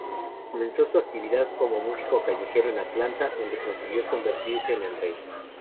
Comenzó su actividad como músico callejero en Atlanta, donde consiguió convertirse en el "rey".